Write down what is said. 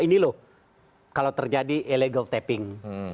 ini loh kalau terjadi illegal taping